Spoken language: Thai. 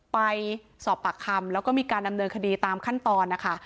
ไปสอบปากคำแล้วก็มีการดำเนินคดีตามขั้นตอนนะคะ